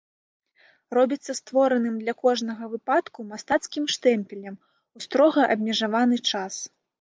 Робіцца створаным для кожнага выпадку мастацкім штэмпелем у строга абмежаваны час.